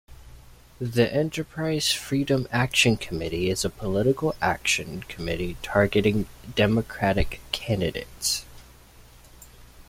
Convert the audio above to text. The Enterprise Freedom Action Committee is a political action committee targeting Democratic candidates.